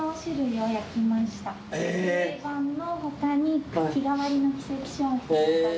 定番の他に日替わりの季節商品。